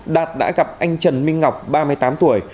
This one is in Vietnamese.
đạt đã gặp anh trần minh ngọc ba mươi tám tuổi